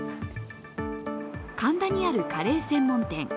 神田にあるカレー専門店。